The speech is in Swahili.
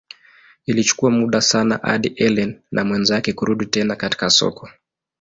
Ilichukua muda sana hadi Ellen na mwenzake kurudi tena katika soko.